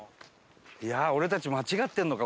いや俺たち間違ってるのか？